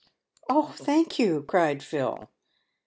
" Oh, thank you," cried Phil.